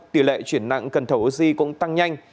tỷ lệ chuyển nặng cần thở oxy cũng tăng nhanh